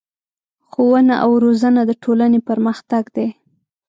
ښوونه او روزنه د ټولنې پرمختګ دی.